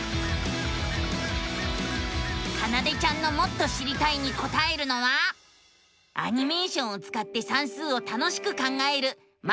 かなでちゃんのもっと知りたいにこたえるのはアニメーションをつかって算数を楽しく考える「マテマティカ２」。